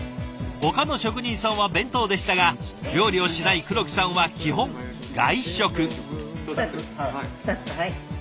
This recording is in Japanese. ほかの職人さんは弁当でしたが料理をしない黒木さんは基本外食。